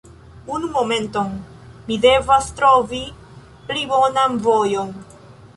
Unu momenton, mi devas trovi pli bonan vojon